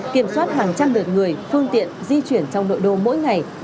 kiểm soát hàng trăm lượt người phương tiện di chuyển trong nội đô mỗi ngày